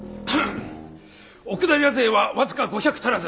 奥平勢は僅か５００足らず。